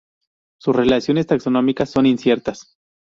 Sus relaciones taxonómicas son inciertas.